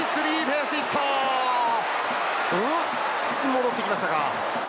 戻って来ましたか。